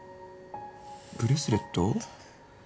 ブレスレット？